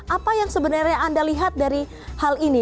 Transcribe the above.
apa yang sebenarnya anda lihat dari hal ini